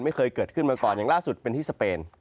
ไม่เคยเกิดขึ้นมาก่อนอย่างล่าสุดเป็นที่สเปน